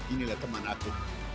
inilah teman aku